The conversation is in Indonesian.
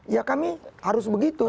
ya kami harus begitu